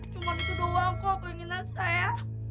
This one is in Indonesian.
cuma itu doang kok keinginan saya